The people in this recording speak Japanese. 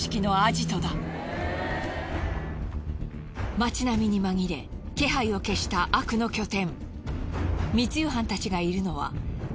町並みに紛れ気配を消した悪の拠点。